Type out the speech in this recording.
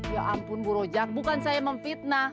ya ampun bu rojak bukan saya memfitnah